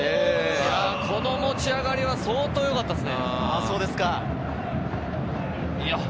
この持ち上がりは相当よかったですね。